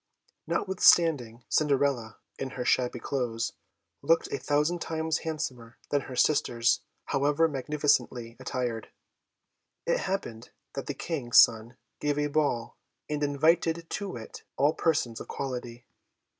Notwithstanding, Cinderella, in her shabby clothes, looked a thousand times handsomer than her sisters, however magnificently attired. It happened that the King's son gave a ball, and invited to it all persons of quality.